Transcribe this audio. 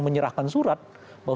menyerahkan surat bahwa